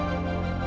lo mau kemana